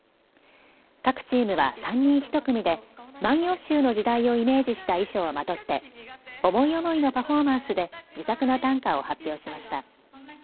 各チームは３人１組で万葉集の時代をイメージした衣装をまとって思い思いのパフォーマンスで自作の短歌を発表しました。